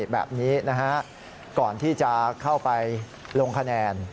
แบบนี้นะฮะก่อนที่จะเข้าไปลงคะแนน